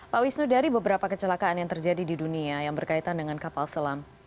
pak wisnu dari beberapa kecelakaan yang terjadi di dunia yang berkaitan dengan kapal selam